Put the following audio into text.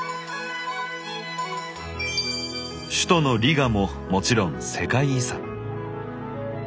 首都のリガももちろん世界遺産！